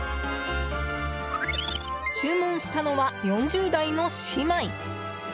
注文したのは、４０代の姉妹。